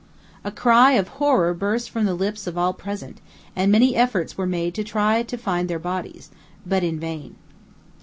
A cry of horror burst from the lips of all present, and many efforts were made to find their bodies; but in vain.